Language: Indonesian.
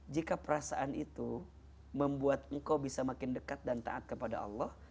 jika perasaan itu membuat engkau bisa makin dekat dan taat kepada allah